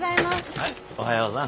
はいおはようさん。